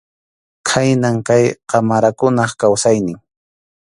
Khaynam kay qamarakunap kawsaynin.